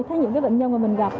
thấy những bệnh nhân mình gặp